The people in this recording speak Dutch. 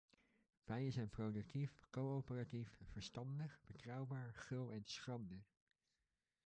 Bijen zijn productief, coöperatief, verstandig, betrouwbaar, gul en schrander.